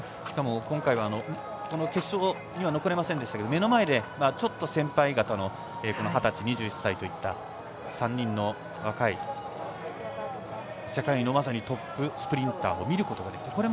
しかも、今回は決勝には残れませんでしたが目の前で、ちょっと先輩方の二十歳、２１歳といった３人の若い世界のトップスプリンターを見ることができた。